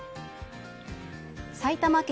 埼玉県